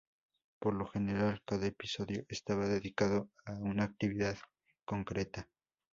Por lo general, cada episodio estaba dedicado a una actividad concreta.